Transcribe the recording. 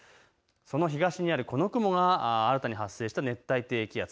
その東にあるこの雲が新たに発生した熱帯低気圧。